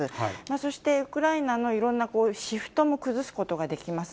そしてウクライナのいろんなシフトも崩すことができます。